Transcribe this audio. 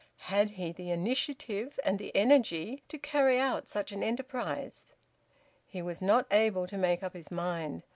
Had he the initiative and the energy to carry out such an enterprise? He was not able to make up his mind.